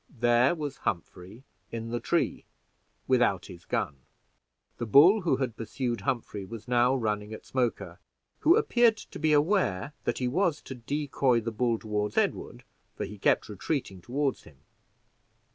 There was Humphrey in the tree, without his gun. The bull who had pursued Humphrey was now running at Smoker, who appeared to be aware that he was to decoy the bull toward Edward, for he kept retreating toward him.